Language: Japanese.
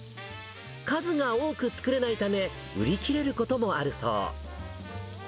数が多く作れないため、売り切れることもあるそう。